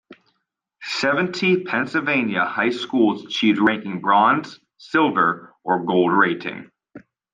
Seventy Pennsylvania high schools achieved ranking bronze, silver or gold rating.